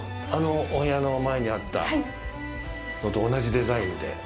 あの、お部屋の前にあったのと同じデザインで。